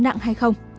nặng hay không